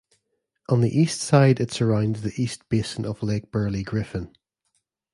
On the east side it surrounds the East Basin of Lake Burley Griffin.